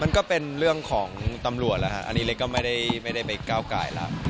ก็เป็นเรื่องของตำรวจแล้วฮะอันนี้เล็กก็ไม่ได้ไปก้าวไก่แล้ว